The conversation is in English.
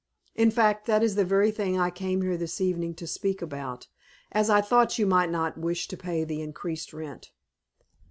In fact that is the very thing I came here this evening to speak about, as I thought you might not wish to pay the increased rent."